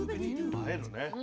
映えるね。